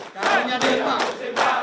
kami yang disimpan